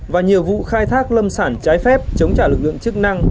và nhiều vụ khai thác lâm sản trái phép chống trả lực lượng chức năng